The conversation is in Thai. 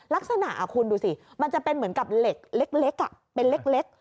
ลักษณะคุณดูสิมันจะเป็นเหมือนกับเหล็กเล็กเป็นเล็ก